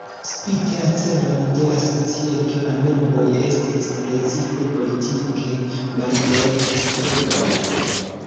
Spite la celon de la societo la membroj estis precipe politike maldekstruloj.